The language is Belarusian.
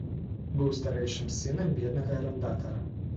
Быў старэйшым сынам беднага арандатара.